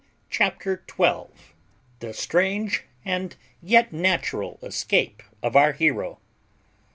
CHAPTER TWELVE THE STRANGE AND YET NATURAL ESCAPE OF OUR HERO.